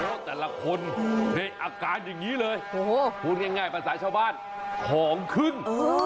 เพราะแต่ละคนในอาการอย่างนี้เลยพูดง่ายภาษาชาวบ้านของขึ้น